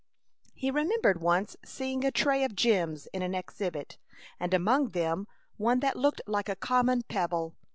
He remembered once seeing a tray of gems in an exhibit, and among them one that looked like a common pebble.